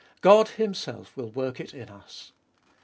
God Himself will work it in us.